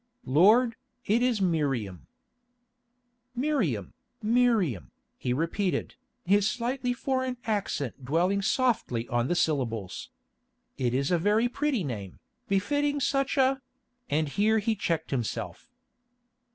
"Lord, it is Miriam." "Miriam, Miriam," he repeated, his slightly foreign accent dwelling softly on the syllables. "It is a very pretty name, befitting such a——" and he checked himself.